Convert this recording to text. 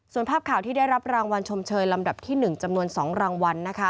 ส่วนภาพข่าวที่ได้รับรางวัลชมเชยลำดับที่๑จำนวน๒รางวัล